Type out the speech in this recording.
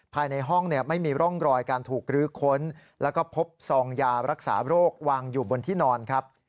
ภายในห้องไม่มีร่องรอยการถูกรื้อค้นแล้วก็พบซองยารักษาโรควางอยู่บนที่นอนครับ